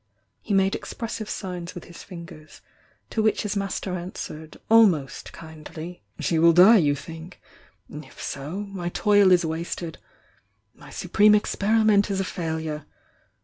He made expressive signs wi^ his fingers, to which his master answered, almost ^' "She will die, you think! . If so my toiHs wasted — mv supreme experiment is a failure!